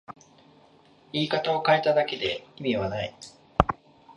言い方を変えただけで意味はない